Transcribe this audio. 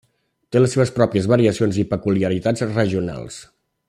Té les seves pròpies variacions i peculiaritats regionals.